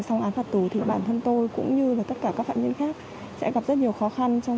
trong việc tìm kiếm thực làm cũng như là ổn định cuộc sống